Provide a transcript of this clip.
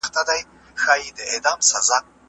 پوهنتونونه باید شاګردانو ته اسانتیاوې برابرې کړي.